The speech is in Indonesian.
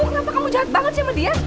kenapa kamu jahat banget sama dia